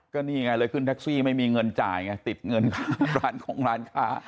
ก็นี่ไงเลยขึ้นแท็กซี่ไม่มีเงินจ่ายไงติดเงินร้านของร้านค้า